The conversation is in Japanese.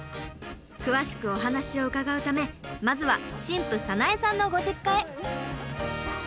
詳しくお話を伺うためまずは新婦早苗さんのご実家へ。